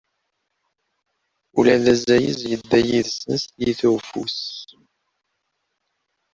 Ula d azayez yedda yid-sen s tyita n ufus.